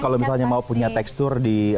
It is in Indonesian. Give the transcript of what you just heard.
kalau misalnya mau punya tekstur di